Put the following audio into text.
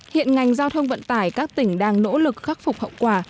hiện ngành giao thông vận tải các tỉnh đang nỗ lực khắc phục hậu quả